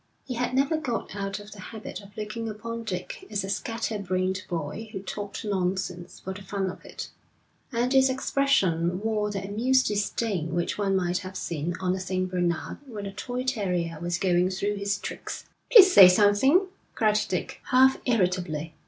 He had never got out of the habit of looking upon Dick as a scatter brained boy who talked nonsense for the fun of it; and his expression wore the amused disdain which one might have seen on a Saint Bernard when a toy terrier was going through its tricks. 'Please say something,' cried Dick, half irritably.